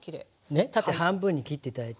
ね縦半分に切って頂いて。